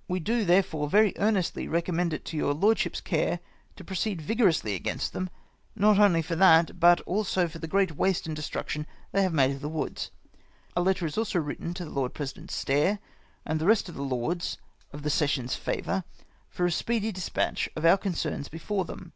" We do, therefore, very earnestly recommend it to your lordship's care to' proceed vigorously against them, not only for that, but also for the great waste and destruction they have made of the woods. A letter is also written to the Lord President Stair and the rest of the lords of the session's favour for a speedy dispatch of our concerns before them.